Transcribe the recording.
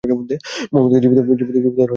মুহাম্মাদকে জীবিত ধরে মক্কায় নিয়ে যাব।